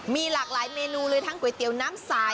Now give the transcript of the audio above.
มีหลากหลายเมนูเลยทั้งก๋วยเตี๋ยวน้ำสาย